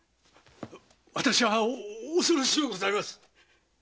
私は恐ろしゅうございます！